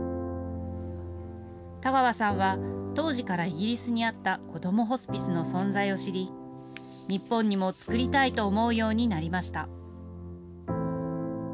田川さんは、当時からイギリスにあった、こどもホスピスの存在を知り、日本にも作りたいと思うようになりました。